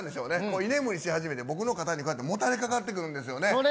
居眠りし始めて、僕の方にもたれかかってくるんですよね。